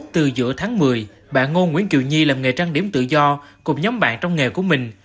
từ giữa tháng một mươi bạn ngô nguyễn kiều nhi làm nghề trang điểm tự do cùng nhóm bạn trong nghề của mình